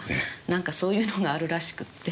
なんかそういうのがあるらしくって。